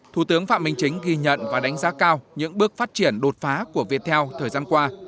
thủ tướng phạm minh chính ghi nhận và đánh giá cao những bước phát triển đột phá của viettel thời gian qua